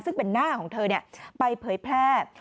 ซึ่งเป็นหน้าของเธอไปเผยแพร่